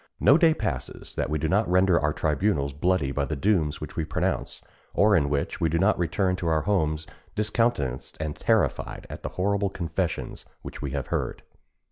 No day passes that we do not render our tribunals bloody by the dooms which we pronounce, or in which we do not return to our homes discountenanced and terrified at the horrible confessions which we have heard.